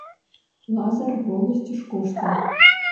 Лазыр волостьыш коштын.